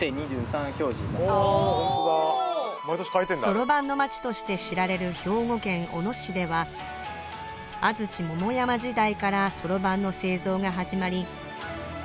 そろばんの町として知られる兵庫県小野市では安土桃山時代からそろばんの製造が始まり